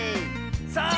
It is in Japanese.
さあ